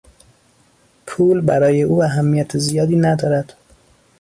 پول برای او اهمیت زیادی ندارد.